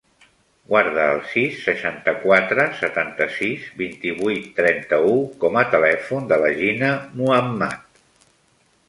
Guarda el sis, seixanta-quatre, setanta-sis, vint-i-vuit, trenta-u com a telèfon de la Gina Muhammad.